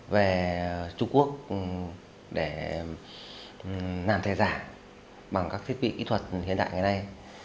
về trung quốc để làm thẻ giả bằng các thiết bị kỹ thuật hiện đại ngày nay